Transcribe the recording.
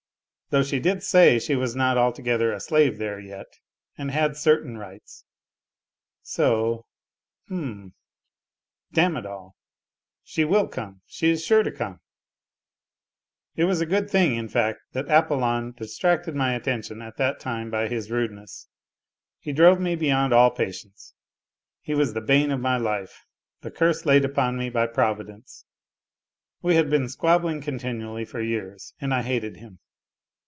Though she did say she was not altogether a slave there yet, and had certain rights ; so, h'm ! Damn it all, she will come, she is sure to come ! It was a good thing, in fact, that Apollon distracted my atten tion at that time by his rudeness. He drove me beyond all patience ! He was the bane of my life, the curse laid upon me by Providence. We had been squabbling continually for years, and I hated him.